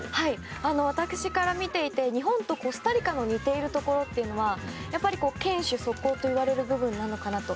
私から見ていて日本とコスタリカの似ているところは堅守速攻といわれる部分なのかなと。